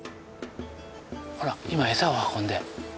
ほら今餌を運んで。